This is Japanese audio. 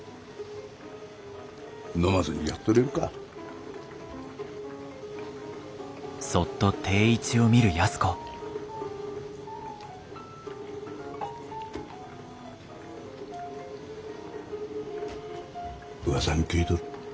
飲まずにやっとれるか。うわさに聞いとる。